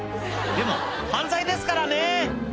でも犯罪ですからね！